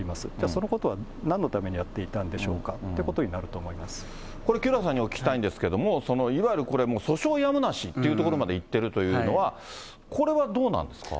そのことはなんのためにやっていたんでしょうかということになるこれ、清原さんにお聞きしたいんですけれども、いわゆるこれ訴訟やむなしというところまでいってるというのは、これはどうなんですか。